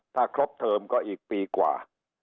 ถ้าครบเทอมก็อีกปีกว่า